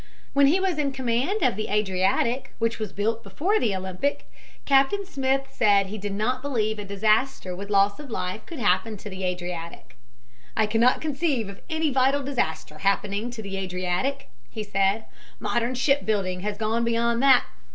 When he was in command of the Adriatic, which was built before the Olympic, Captain Smith said he did not believe a disaster with loss of life could happen to the Adriatic. "I cannot conceive of any vital disaster happening to the Adriatic," he said. "Modern shipbuilding has gone beyond that.